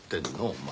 お前。